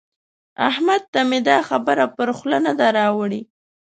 احمد ته مې دا خبره پر خوله نه ده راوړي.